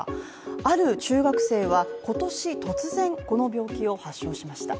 ある中学生は、今年突然この病気を発症しました。